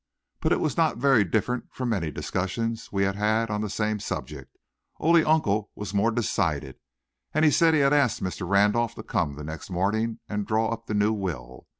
But it was not very different from many discussions we had had on the same subject, only Uncle was more decided, and said he had asked Mr. Randolph to come the next morning and draw up the new will.